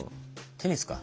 テニスか。